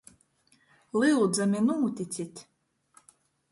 Lyudzami, nūticit!